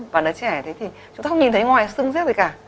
và nó chảy thế thì chúng ta không nhìn thấy ngoài sưng riết gì cả